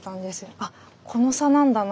「あっこの差なんだな」と思って。